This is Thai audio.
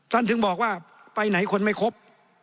ถึงบอกว่าไปไหนคนไม่ครบ